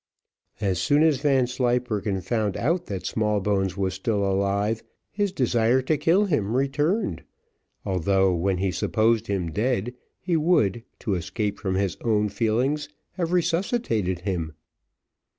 As soon as Vanslyperken found out that Smallbones was still alive, his desire to kill him returned; although, when he supposed him dead, he would, to escape from his own feelings, have resuscitated him.